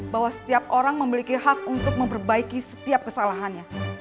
bahwa setiap orang memiliki hak untuk memperbaiki setiap kesalahannya